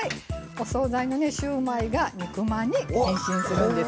お総菜のシューマイが肉まんに変身するんですよ。